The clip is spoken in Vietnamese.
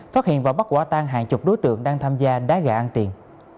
phát hiện và bắt quả tang hàng chục đối tượng đang tham gia đá gà ăn tiền